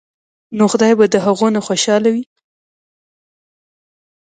نو خدائے به د هغو نه خوشاله وي ـ